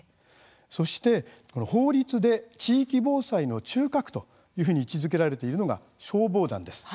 そして、法律で地域防災の中核というふうに位置づけられているのが消防団です。